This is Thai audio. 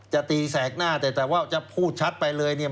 ตีแสกหน้าแต่ว่าจะพูดชัดไปเลยเนี่ย